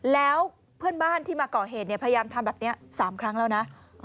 แล้วเพื่อนบ้านที่มาก่อเหตุพยายามทำแบบนี้๓ครั้งแล้วนะ